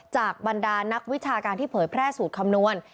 บรรดานักวิชาการที่เผยแพร่สูตรคำนวณ